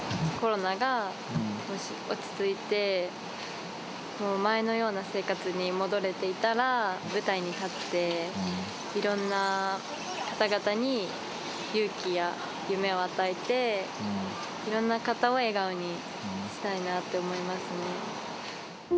コロナが落ち着いて、前のような生活に戻れていたら、舞台に立って、いろんな方々に、勇気や夢を与えて、いろんな方を笑顔にしたいなって思いますね。